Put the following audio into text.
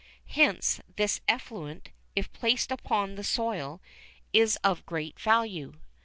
Hence this effluent, if placed upon the soil, is of great value.